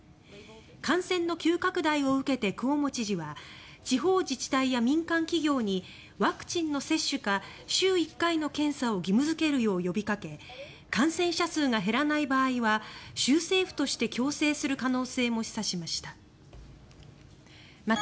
感染の急拡大を受けてクオモ知事は地方自治体や民間企業にワクチンの接種か週１回の検査を義務付けるよう呼びかけ感染者数が減らない場合は州政府として強制する可能性も示唆しました。